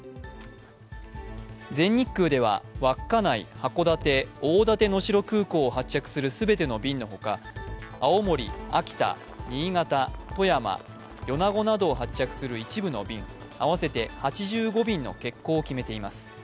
全日空では、稚内、函館、大館能代空港を発着する全ての便のほか、青森・秋田・新潟・富山・米子などを発着する一部の便合わせて８５便の欠航を決めています。